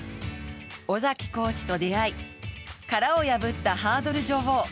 尾崎コーチと出会い、殻を破ったハードル女王。